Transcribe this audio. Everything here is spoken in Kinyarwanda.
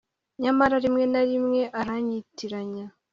nyamara, rimwe na rimwe aranyitiranya